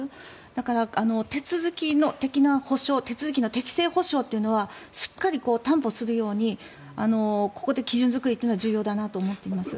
だから手続き的な保証手続きの適正保証はしっかり担保するようにここで基準作りは重要だと思っています。